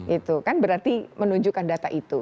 itu kan berarti menunjukkan data itu